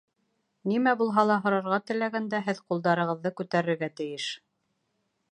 Нимә лә булһа һорарға теләгәндә, һеҙ ҡулдарығыҙҙы күтәрергә тейеш